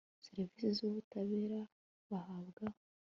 serivisi z ubutabera bahabwa